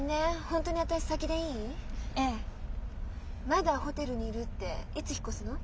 まだホテルにいるっていつ引っ越すの？